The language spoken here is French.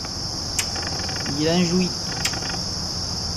Il en jouit.